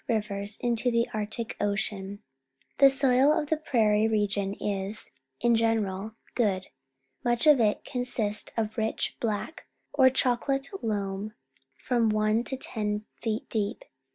Rivers into the Arct ic Ucian. The soil of the prairie region is, in general, good. Much of it consists of rich black or chocolate loam from one to ten feet deep.